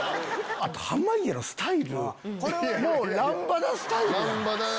あと濱家のスタイルもうランバダスタイルやん。